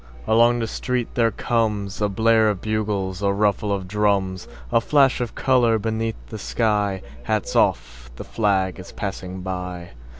Along the street there comesA blare of bugles, a ruffle of drums,A flash of color beneath the sky:Hats off! The flag is passing by!